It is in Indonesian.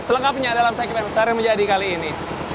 selengkapnya dalam segmen sari menjadi kali ini